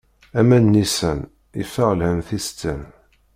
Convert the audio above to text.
Aman n nnisan, yeffeɣ lhemm tistan.